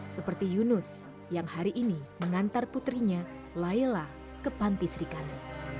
seperti yunus yang hari ini mengantar putrinya layla ke panti sri kandi